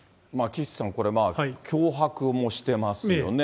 岸さん、これ、脅迫もしてますよね。